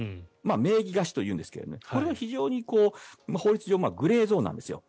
名義貸しというんですけどこれは非常に法律上グレーゾーンなんですよ。